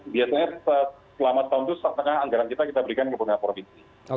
biasanya selama satu setengah anggaran kita kita berikan ke pemerintah provinsi